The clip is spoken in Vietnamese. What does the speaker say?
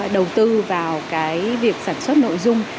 đầu tư vào cái việc sản xuất nội dung